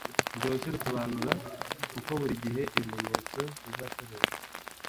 Urwo ruhushya rusobanura uko buri gihe ibimenyetso bizakoreshwa.